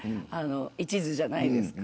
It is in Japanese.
一途じゃないですか。